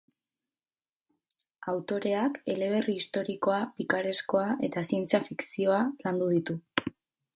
Autoreak eleberri historikoa, pikareskoa eta zientzia-fizkioa landu ditu.